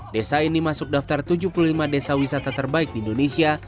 desa ini masuk daftar tujuh puluh lima desa wisata terbaik di indonesia